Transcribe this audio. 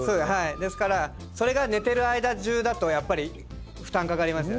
ですからそれが寝てる間中だとやっぱり負担かかりますよね。